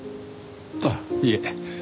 あっいえ。